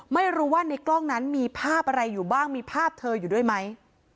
ไม่รู้ว่าในกล้องนั้นมีภาพอะไรอยู่บ้างมีภาพเธออยู่ด้วยไหม